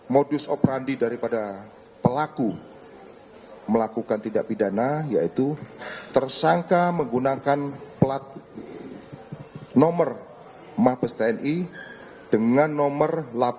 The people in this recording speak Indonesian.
modus operandi daripada pelaku melakukan tidak pidana yaitu tersangka menggunakan plat nomor mapes tni dengan nomor delapan empat tiga tiga tujuh